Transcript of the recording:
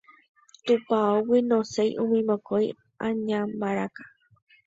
Tupãógui noséi umi mokõi añambaraka.